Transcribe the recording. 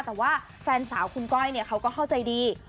แต่ว่าแฟนสาวคุณก้อยเขาก็เข้าใจดี